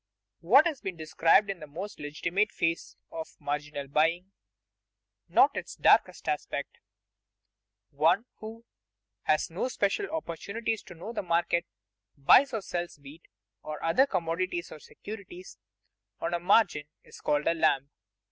_ What has just been described is the more legitimate phase of marginal buying, not its darker aspect. One who, having no special opportunities to know the market, buys or sells wheat, or other commodities or securities, on margin, is called a lamb.